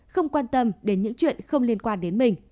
không quan tâm đến những chuyện không liên quan đến mình